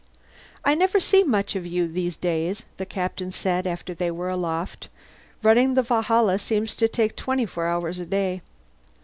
"I never see much of you these days," the Captain said after they were aloft. "Running the Valhalla seems to take twenty four hours a day."